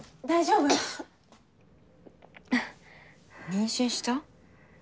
妊娠した？